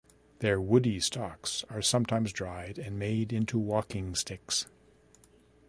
Their woody stalks are sometimes dried and made into walking sticks.